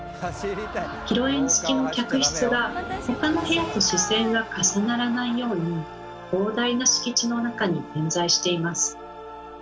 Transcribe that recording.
広縁付きの客室が他の部屋と視線が重ならないように広大な敷地の中に点在しています。